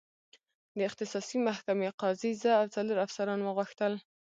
د اختصاصي محکمې قاضي زه او څلور افسران وغوښتل.